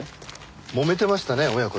もめてましたね親子で。